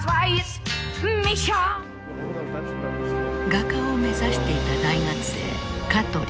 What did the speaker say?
画家を目指していた大学生カトリン。